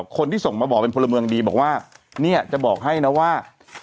คนที่ส่งมาบอกเป็นพลเมืองดีบอกว่าเนี่ยจะบอกให้นะว่า